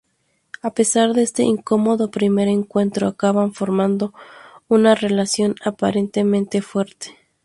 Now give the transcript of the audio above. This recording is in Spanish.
A pesar de este incómodo primer encuentro, acaban formando una relación aparentemente fuerte.